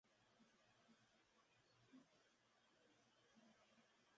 El viento se mantuvo hasta el día siguiente, trayendo un enjambre de langostas.